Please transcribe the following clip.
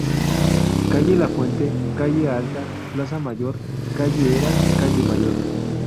Calle la fuente, calle alta, plaza mayor, calle eras, calle mayor.